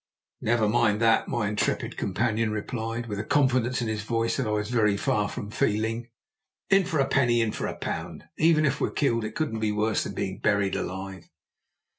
"Never mind that," my intrepid companion replied, with a confidence in his voice that I was very far from feeling. "In for a penny, in for a pound; even if we're killed it couldn't be worse than being buried alive."